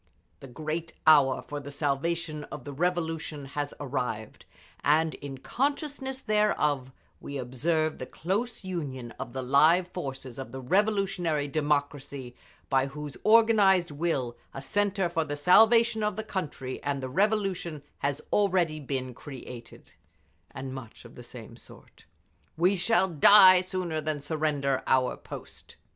The great hour for the salvation of the Revolution has arrived, and in consciousness thereof we observe the close union of the live forces of the revolutionary democracy, by whose organised will a centre for the salvation of the country and the Revolution has already been created…." And much of the same sort. "We shall die sooner than surrender our post!"